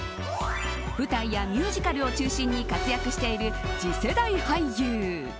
舞台やミュージカルを中心に活躍している次世代俳優。